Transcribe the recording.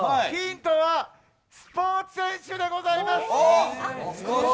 ヒントはスポーツ選手でございます！